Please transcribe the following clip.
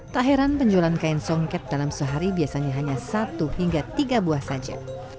tak heran penjualan kain songket dalam sehari biasanya hanya satu hingga tiga buah saja